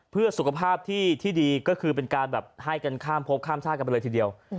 เพื่อสุขภาพที่ดีก็คือเป็นการแบบให้กันข้ามพบข้ามชาติกันไปเลยทีเดียว